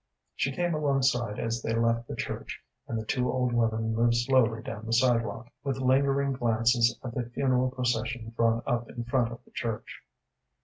She came alongside as they left the church, and the two old women moved slowly down the sidewalk, with lingering glances at the funeral procession drawn up in front of the church.